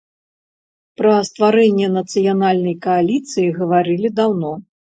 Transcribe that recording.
Пра стварэнне нацыянальнай кааліцыі гаварылі даўно.